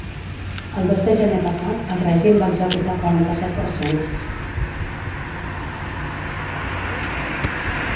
El dos de gener passat el règim va executar quaranta-set persones.